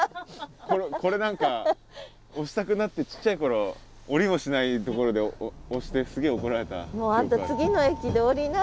これ何か押したくなってちっちゃい頃降りもしないところで押してすげえ怒られた記憶が。